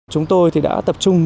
chúng tôi đã tập trung